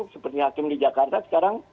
seperti hakim di jakarta sekarang